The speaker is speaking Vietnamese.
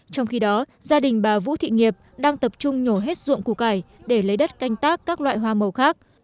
trong khi đó gia đình bà vũ thị nghiệp đang tập trung nhổ hết dụng cụ cải để lấy đất canh tác các loại hoa màu khác